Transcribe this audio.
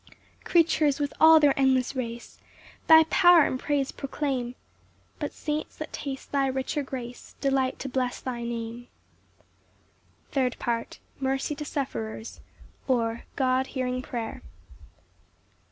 5 Creatures, with all their endless race, Thy power and praise proclaim; But saints that taste thy richer grace Delight to bless thy Name. Psalm 145:4. 14 17 &c. Third Part. Mercy to sufferers; or, God hearing prayer.